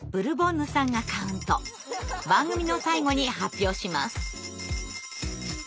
番組の最後に発表します。